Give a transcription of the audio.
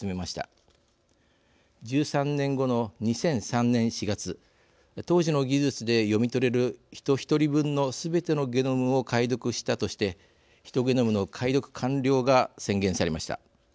１３年後の２００３年４月当時の技術で読み取れるヒト１人分のすべてのゲノムを解読したとしてヒトゲノムの解読完了が宣言されました。